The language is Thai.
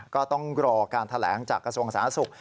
ก็ต้องรอการแถลงจากกระทรวงสาธารณสุข